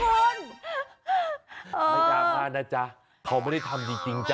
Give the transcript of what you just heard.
อย่าขาดนะจ๊ะเขาไม่ได้ทำจริงจ๊ะ